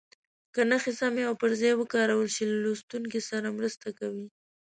که نښې سمې او پر ځای وکارول شي له لوستونکي سره مرسته کوي.